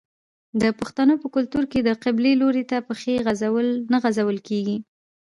د پښتنو په کلتور کې د قبلې لوري ته پښې نه غځول کیږي.